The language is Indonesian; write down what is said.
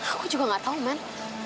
aku juga gak tau men